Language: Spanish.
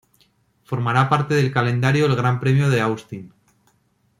Formará parte del calendario el gran premio de Austin.